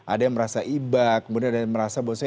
ada yang merasa ibak kemudian ada yang merasa bosnya